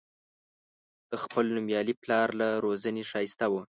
د خپل نومیالي پلار له روزنې ښایسته و.